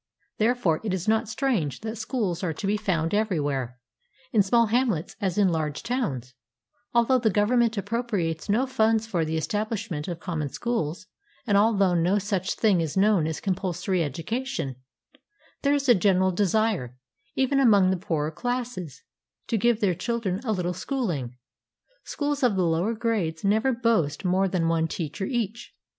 Therefore it is not strange that schools are to be found everywhere, in small hamlets as in large towns, although the Government appropriates no funds for the estabHsh ment of common schools ; and although no such thing is known as "compulsory education," there is a general desire, even among the poorer classes, to give their children "a little schooHng." Schools of the lower grades never boast more than one teacher each.